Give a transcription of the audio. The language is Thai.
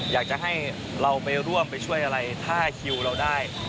อยากจะให้เราไปร่วมไปช่วยอะไรถ้าคิวเราได้